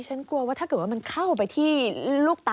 ฉันกลัวว่าถ้าเกิดว่ามันเข้าไปที่ลูกตา